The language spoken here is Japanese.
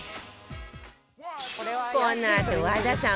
このあと和田さん